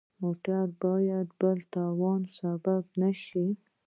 موټر مو باید د بل تاوان سبب نه شي.